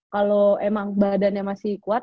kalau emang badannya masih kuat